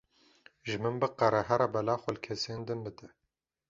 Ji min biqere here bela xwe li kesên din bide.